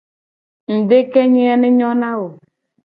Ngudekenye a ne nyo na wo.